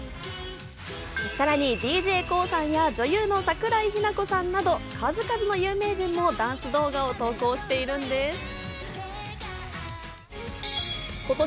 さらにＤＪＫＯＯさんや女優の桜井日奈子さんなど、数々の有名人もダンス動画を投稿しているんです。